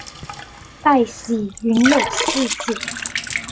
戴喜云有四子。